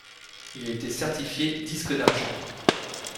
Il a été certifié disque d'argent.